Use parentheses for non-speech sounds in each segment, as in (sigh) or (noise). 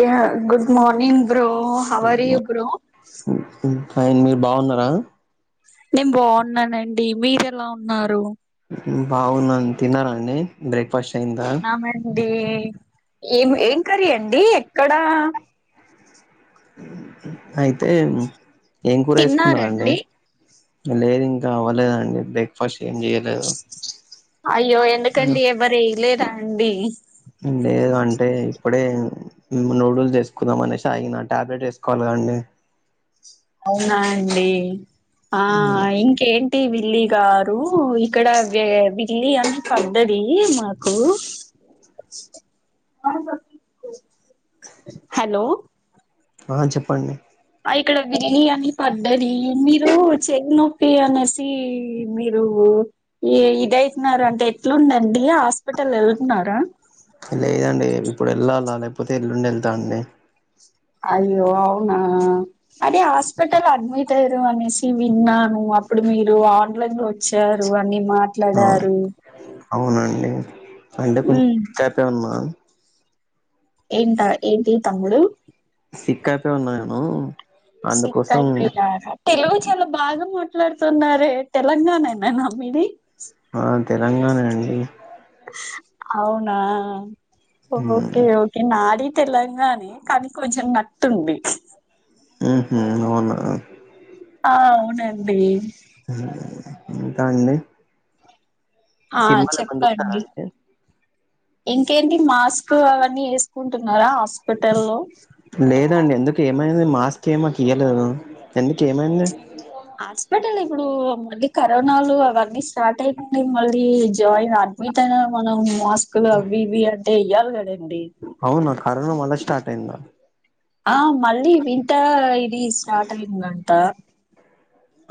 య good morning bro how are you bro fine మీరు బాగున్నారా నేను బాగున్నానండి మీరు ఎలా ఉన్నారు బాగున్నాను తిన్నారా అండి బ్రేక్ ఫాస్ట్ ఆమెది ఏం ఏం కర్రీ అండి ఎక్కడా అయితే ఏం కూర వేసుకున్నారండి తిన్నారండి లేదు ఇంకా అవ్వలేదండి బ్రేక్ ఫాస్ట్ అయ్యో ఎందుకండి ఎవరు లేదా అండి లేదు అంటే ఇప్పుడే నూడుల్స్ వేసుకుందాం అనేసి ఆగిందంట టాబ్లెట్ వేసుకోవాలి కానీ అన్ని అవునా అండి ఆ ఇంకేంటి వి ల్లీ గారు ఇక్కడ బిల్లీ అని పడ్డది మాకు హలో ఆ చెప్పండి ఇక్కడ బిర్యానీ పడ్డది మీరు చెయ్యి నొప్పి అనేసి మీరు ఇద అవుతున్నారు అంటే ఎట్లుందండి ఆస్ హాస్పిటల్ వెళ్తున్నారా లేదండి ఇప్పుడు వెళ్ళాలా లేకపోతే ఎల్లుండి వెళ్తా అండి అయ్యో అవునా అదే హాస్పిటల్ అడ్మిట్ అయిరు అనేసి విన్నా ను అప్పుడు మీరు ఆన్లైన్ లో వచ్చారు అన్ని అవును మాట్లాడారు అవునండి అంటే కొంచెం ఉమ్ చేపే ఉన్నా ఏంట ఆ ఏంటి తమ్ముడు తిక్కతో ఉన్నాను సిక్కై అయిపొయ్యిల తెలుగు చాలా బాగా మ మాట్లాడుతున్నారురే తెలంగాణ నేనా మీది ఆ తెలంగాణ అండి అవునా ఓకే ఉహు ఓకే నాది తెలంగాణ కానీ కొంచెం నతుంది ఆహ అవునా ఆ అవునండి ఇంకా అండి ఆ సినిమాలు ఏమన్నా చూస్తారా చెప్పండి అండి ఇంకేంటి మాస్క్ అవన్నీ వేసుకుంటున్నారా స్పిటల్లో లేదండి ఎందుకు మాస్క్ మీ మాకీయలేదు ఎందుకు ఏమైంది? హాస్పిటల్ ఇప్పుడు మళ్ళీ కరోనాలు అవన్నీ స్టార్ట్ అయిపోయినాయి. మళ్ళీ జాయిన్ అడ్మిట్ అయిన మనం మాస్కులు అవి ఇవి అంటే ఇయ్యాలి కదండి. అవును కరోనా మళ్ళా స్టార్ట్ అయింది. ఆ మళ్ళీ వింటా ఇది స్టార్ట్ అయింది అంట.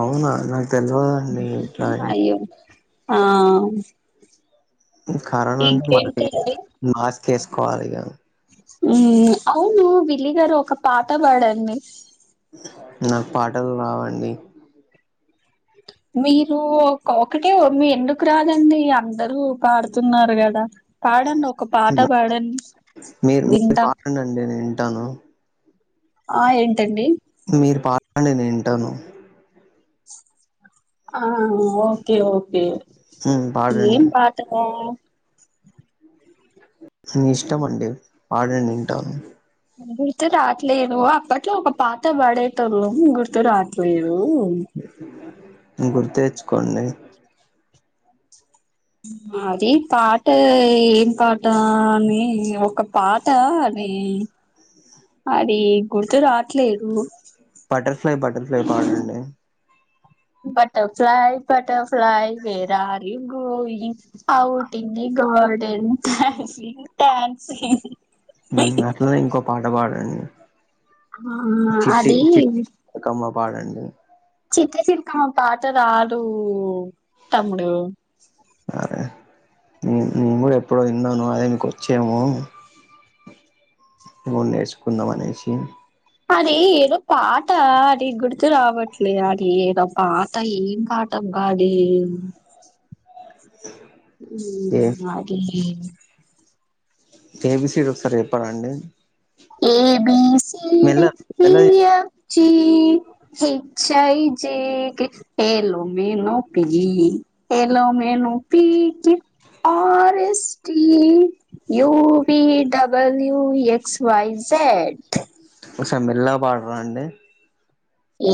అవునా నాకు తెల్వదు ఇట్లాని అయ్యో ఆ కరోనా అంటే మ ఇంకేంటి అండి మాస్క్ వేసుకోవాలి కదా? అవును విల్లీ గారు ఒక పాట పాడండి. నాకు పాటలు రావండి. (inaudible) మీరు ఒకటే మీ ఎందుకు రాదండి అందరూ పాడుతున్నారు కదా? పాడండి ఒక పాట హ్మ్. పాడండి మీరు మీరు వింటా పాడండి నేను వింటాను ఆ ఏంటండి? మీరు పాడండి నేను వింటాను. ఆ ఓకే ఓకే ఉమ్ ఏం పాడండి పాట పాడాలి నీ ఇష్టం అండి పాడండి వింటాను. గుర్తు రావట్లేదు. అప్పట్లో ఒక పాట పాడేటోల్లము గుర్తు రావట్లేదు. ఓ గుర్తుకుతెచ్చుకోండి. అది పాట ఏం పాట అని ఒక పాట అది గుర్తు రాట్లేదు. బటర్ఫ్లై బటర్ఫ్లై పాడండి. Butterfly butterfly where are you going outing garden dancing dancing మ్ అట్లానే ఇంకో పాట పాడండి. ఆ, చిట్టి అది చిలకమ్మ పాడండి. చిట్టి చిలకమ్మ పాట రాదు తమ్ముడు. మ్ హు ఎప్పుడైనా నారాయణకు వచ్చేమో అదే మీకు వచ్చేమో మేము నేర్చుకుందాం అనేసి అది ఏదో పాట. అది గుర్తు రావట్లే, అది ఏదో పాట ఏం పాట. అది (inaudible) ఏ మ్ అది ఎ బి సి డి ఒకసారి చెప్పరా అండి? మెల్ల ఏబిసిడి మెల్లగ E F G H I J K L M N O P L M N O P Q R S T U V W X Y Z. ఒకసారి మెల్లగా పాడరా అండి.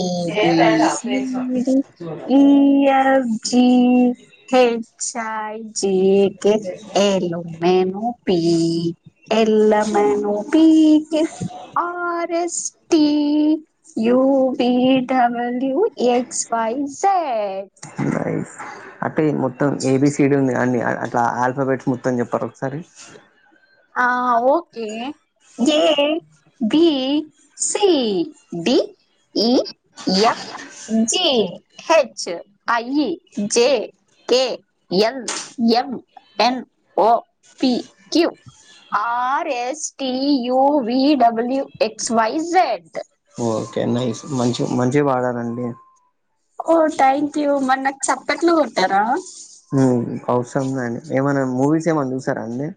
A B C D E F G H H I J K L M N O P L M N O P Q R S T U P W X Y Z nice అంటే మొత్తం ఏబీసిడ ఉంది గదా అన్ని అట్లా ఆల్ఫాబెట్స్ మొత్తం చెప్పార ఒకసారి ఆ okay J B C D E F G H I J K L M N O P Q R S T U V W X Y Z okay nice మంచి మంచిగా పాడారండి ఓ థ్యాంక్ యూ మన్నకి చప్పట్లు కొట్టరా హమ్ అవసరం లెండి ఏమన్నా మూవీస్ ఏమన్నా చూసారా అండి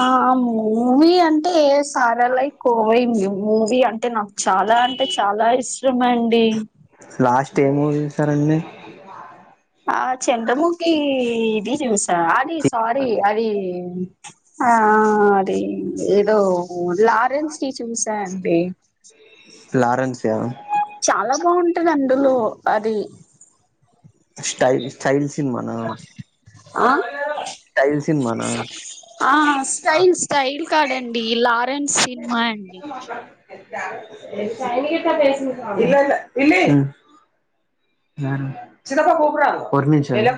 ఆ మూవీ అంటే సారా లై కోవయింది మూవీ అంటే నచ్చ చాలా అంటే చాలా ఇష్టమ అండి లాస్ట్ ఏ మూవీ చూసారండి ఆ చంద్రముఖి ఇది చూసా అది సారీ అది ఆ అది ఏదో లారెన్స్ టీ చూసా అండి లారేన్స్ చాలా బాగుంటది అందులో అది స్టైల్ స్టైల్ సినిమానా ఆ స్టైల్ సినిమానా ఆ స్టైల్ స్టైల్ కాదండి లా ఫ్ర్డ్స్ డ్ సినిమా అండి ఇ ఇల్ ఇలి ఓర్ నిమిషమ్ హ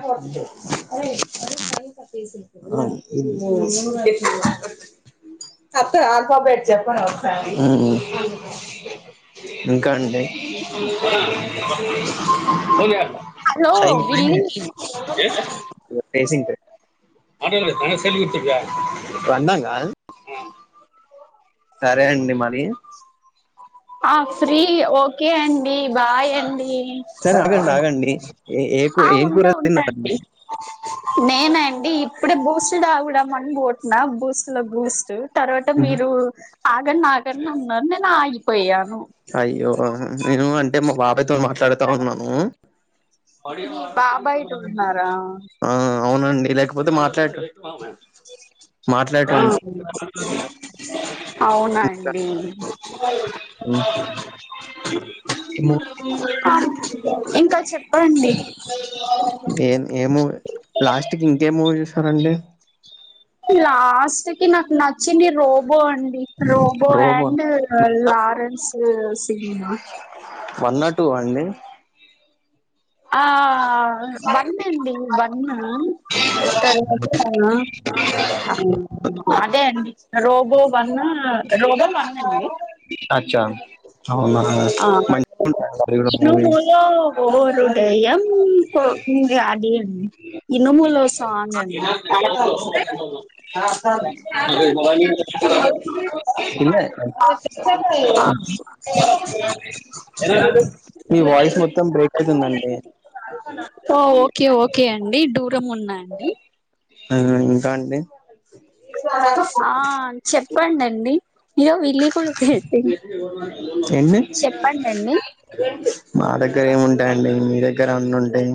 హ అత్త ఆల్ఫబేట్ చెప్పరా ఒకసారి ఇంకా అండి హలో ఫైవ్ విల్లి మినేట్స్ ఎ అడ చలి కుతుక్క వోదాంగా సరే అండి మరి ఆ ఫ్రీ ఓకే అండి బాయ్ అండి సరే ఆగండి ఆగండి ఏ ఏ కూ- ఆ ఏం ఉంటా కూర ఉంటాండి తిన్నారండి నేను అ ఇప్పుడే బూస్ట్డ్ తాగుదాం అని పోతున్నా బూస్ట్ లో బూస్ట్ తర్వాత మీరు ఆగండి ఆగండి అన్నారు నేను ఆగిపోయా అయ్యో నేను అంటే మా బాబాయతో మాట్లాడుతా ఉన్నాను మీ బాబాయ్ తో ఉన్నారా ఆ! అవునండి లేకపోతే మాట్లాడ (inaudible) ఆ అవునండి హ్మ్. ఏ ఇంకా చెప్పండి ఏం ఏ మూవీ లాస్ట్ కి ఇంకే మూవీ చూసారండి లాస్ట్కి నాకునాచ్ నచ్చింది రోబో అండి Robo and Lawrence cinema one అ టూ ఆ అండి ఆ ఆ ఆ వన్ అండి వన్ను ఆ అదే అండి రోబో వన్న్ రోబో వన్నండి అచ్చా అవునా! ఆ మంచిగుంటదండి అది గూడా మూవీ. ఇనుములో ఒక హృదయం పొంగె అది ఉంది ఇనుములో సాంగ్ అది మ ఇల్లే (unintelligible) (unintelligible) (unintelligible) మీ వాయిస్ మొత్తం బ్రేక్ అయితుందండి. ఓ ఓకే ఓకే అండి దూరం ఉన్నా అండి ఆ ఇంకా అండి ఆ చెప్పండండి ఇగో విల్లి కూడా పెట్టిండు ఎన్ని చెప్పండండి రెండు మా దగ్గర ఏముంటాయండి మీ దగ్గరే అన్ని ఉండు ఉంటాయి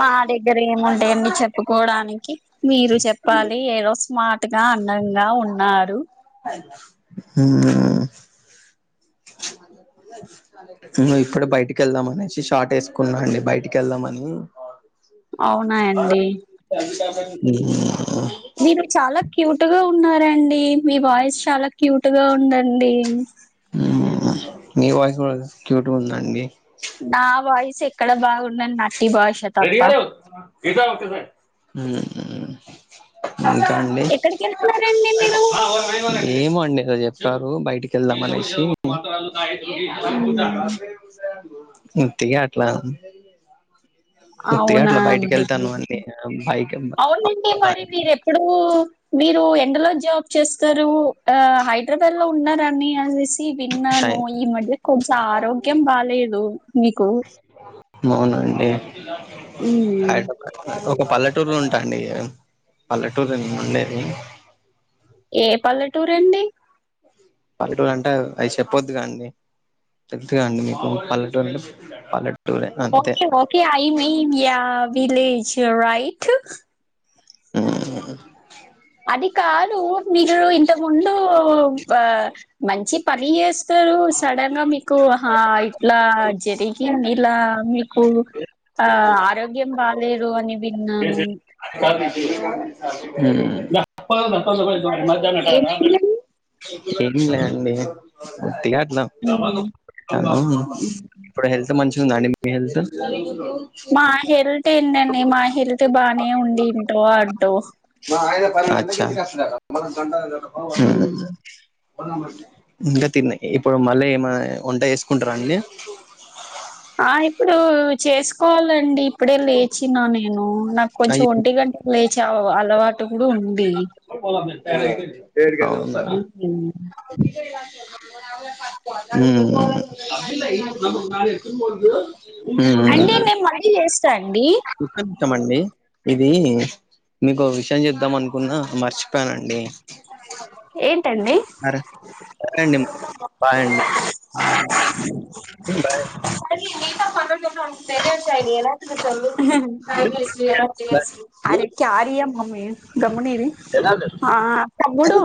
మా దగ్గర ఏము ఉంటాయండీ చెప్పుకోవడానికి మీరు చెప్పాలి ఏ రోజు స్మార్ట్ అంతగా అందంగా ఉన్నారు. ఉమ్ నువ్వు ఇప్పుడు బయటికి వెళ్దామనేసి షార్ట్ వేసుకున్నా అండి బయటికి వెళ్దామని ఉమ్ అవునా అండి మీరు చాలా క్యూట్ గా ఉన్నారండి మీ వాయిస్ చాలా క్యూట్గా ఉందండి ఉమ్ మీ వాయిస్ కూడా క్యూట్గా ఉంది అండి. నా వాయిస్ ఎక్కడ బాగున్నది నత్తి భాష తప్ప ఉమ్ హుమ్ ఇంకా అండి ఎక్కడికి వెళ్తున్నారండి మీరు ఏమో అండి ఈ రోజు కాదు బయటికి వెళ్దామనేసి ఉత్తిగా అట్లా ఉత్తిగా అవునా అట్లా బయటికి అండి వెళ్తాను అండి బైక్ అవునండి మరి మీరూ ఎప్పుడూ మీరు ఎండలో జాబ్ చేస్తారు ఆ హైదరాబాద్ లో ఉన్నారాని అనేసి ని విన్నాను ఈ మధ్య కొంచెం ఆరోగ్యం బాలేదు నీకు అవునండి హ్మ్. హైదరాబాద్ ఒక పల్లెటూరు లు అండి పల్లటూరూ లో నేను ఉండేది ఏ పల్లెటూరు అండి పల్లెటూరు అంటే అవి చెప్పొద్దు కాండి తెలుస్ కదా అండి మీకు పల్లెటుర్ పల్లెటూ okay okay I mean ya village right ఉమ్ అది కాదు మీరు ఇంత ముందు ఆ మంచి పని చేస్ సారు సడన్ గా మీకు ఆహా ఇట్లా జరిగింది ఇలా మీ కు ఆ ఆరోగ్యం బాలేదు అని విన్నాను ఉమ్ ఏమైందండి? తెన్లే అండి కొద్దిగా హలో ఉమ్ హలో ఇప్పుడు హెల్త్ మంచిగా ఉందా అండి మీ హెల్త్ మా హెల్త్ ఏంటండి మా హెల్త్ బానే ఉంది ఇటో అటో అచ్చ ఉమ్ ఇంకా తిన్నా ఇప్పుడు మళ్ళీ ఏమ వంట వేసుకుంటారా అండి ఆ ఇప్పుడూ చేసుకోవాలండి. ఇప్పుడే లేచినా నేనూ నాక్ కొంచెం అయి ఒంటి గంటకు లేచే అలవాటు కూడా ఉంద్ అవునా హ్ము అండి నేను మళ్ళీ చేస్తా ఉఊ అండి ఒక్క నిమిషమండీ ఇదీ. మీకు ఒక విషయం చేప్ద్దాం అనుకున్నా మర్చిపోయానండి. ఏం అరే సరే అండి బాయ్ అండి. బాయ్ త ప (inaudible) ఎ అర ఆర్ మమ (inaudible) గమ్మునీది ఆ తమ్ముడూ